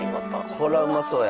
こらうまそうや。